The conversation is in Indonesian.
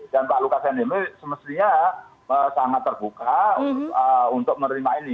dan pak lukas nmb semestinya sangat terbuka untuk menerima ini